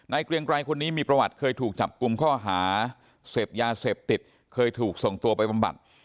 เกรียงไกรคนนี้มีประวัติเคยถูกจับกลุ่มข้อหาเสพยาเสพติดเคยถูกส่งตัวไปบำบัด